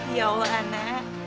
ya allah ana